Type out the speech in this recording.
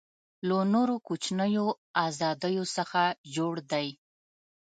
له نورو کوچنیو آزادیو څخه جوړ دی.